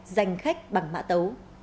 dành khách bằng mã tấu